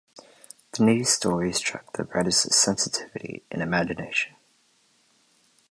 The news story struck the writer's sensitivity and imagination.